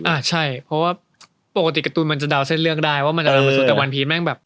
อ่ะใช่เพราะว่าปกติการ์ตูนมันจะเดาเส้นเรื่องได้ว่ามันจะเดามันสุดแต่วันพีแม่งแบบ